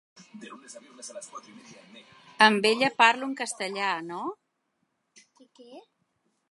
Amb ella parlo en castellà, no?